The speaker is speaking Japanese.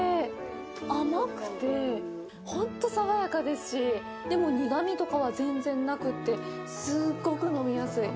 甘くて、本当爽やかですし、でも、苦みとかは全然なくって、すっごく飲みやすい。